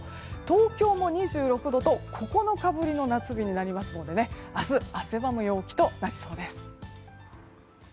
東京も２６度と９日ぶりの夏日になりますので明日、汗ばむ陽気となりそうです。